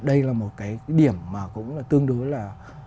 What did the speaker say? thì đây là một cái điểm mà cũng tương đối là